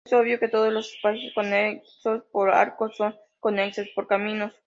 Es obvio que todos los espacios conexos por arcos son conexos por caminos.